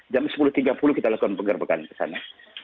jam sepuluh tiga puluh kita lakukan penggerbekan ke sana